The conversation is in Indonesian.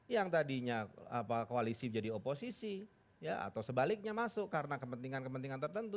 yang tadinya koalisi menjadi oposisi atau sebaliknya masuk karena kepentingan kepentingan tertentu